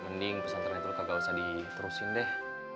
mending pesantren itu lo kagak usah diterusin deh